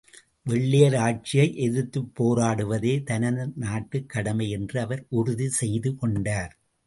வெள்ளையர் ஆட்சியை எதிர்த்துப் போராடுவதே தனது நாட்டுக் கடமை என்று அவர் உறுதி செய்து கொண்டார்.